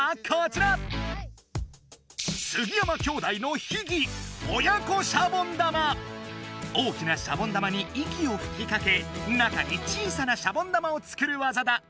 杉山兄弟の秘技大きなシャボン玉に息をふきかけ中に小さなシャボン玉を作る技だ。